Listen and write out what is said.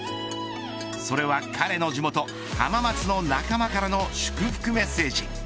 それは、彼の地元浜松の仲間からの祝福メッセージ。